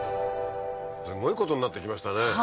すごいことになってきましたね